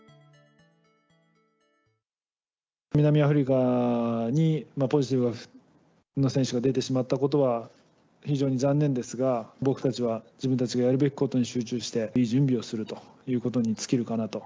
南アフリカに、ポジティブの選手が出てしまったことは、非常に残念ですが、僕たちは自分たちがやるべきことに集中して、いい準備をするということに尽きるかなと。